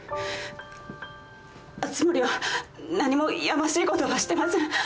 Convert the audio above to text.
熱護は何もやましいことはしてません。